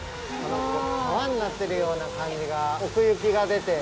川になっているような感じが奥行きが出て。